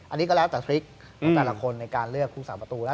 อันนี้ก็ละแต่ว่าทริกของแต่ละคนในการเลือกรูปสาประตูระดับ